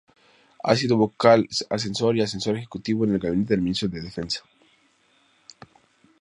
Ha sido "vocal asesor" y "asesor ejecutivo" en el gabinete del Ministro de Defensa.